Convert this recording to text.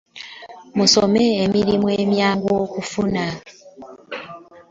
Musome emirimu emyangu okufuna.